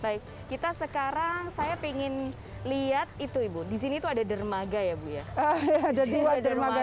baik kita sekarang saya pengen lihat itu ibu di sini itu ada dermaga ya bu ya ada dua dermaga